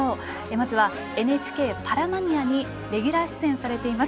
まずはＮＨＫ「パラマニア」にレギュラー出演されています